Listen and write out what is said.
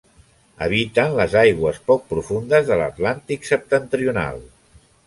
Habiten les aigües poc profundes de l'Atlàntic septentrional.